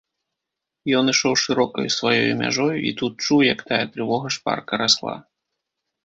Ён ішоў шырокаю сваёю мяжою і тут чуў, як тая трывога шпарка расла.